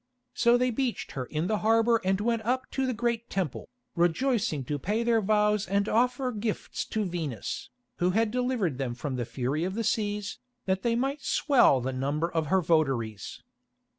So they beached her in the harbour and went up to the great temple, rejoicing to pay their vows and offer gifts to Venus, who had delivered them from the fury of the seas, that they might swell the number of her votaries.